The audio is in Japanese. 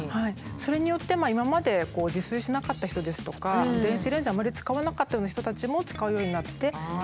それによって今まで自炊しなかった人ですとか電子レンジあまり使わなかったような人たちも使うようになって使用頻度が。